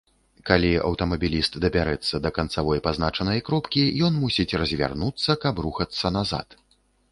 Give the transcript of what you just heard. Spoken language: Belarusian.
Калі аўтамабіліст дабярэцца да канцавой пазначанай кропкі, ён мусіць развярнуцца, каб рухацца назад.